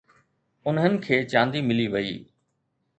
انهن کي چاندي ملي وئي.